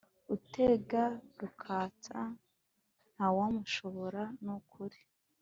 utega rukatsa ntwamushobora nukuri.